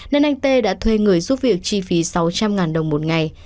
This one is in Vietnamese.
nên anh tê đã thuê người giúp việc chi phí sáu trăm linh đồng một ngày